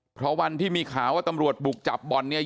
เพราะวันที่มีข่าวว่าตำรวจบุกจับบ่อนเนี่ย